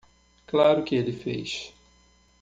Claro que ele fez.